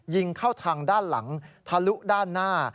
ยิงเข้าทางด้านหลังทะลุด้านหน้า